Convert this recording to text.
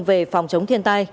về phòng chống thiên tai